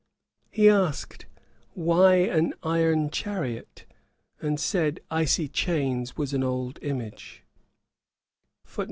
He asked why an 'iron chariot'? and said 'icy chains' was an old image.